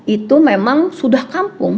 itu memang sudah kampung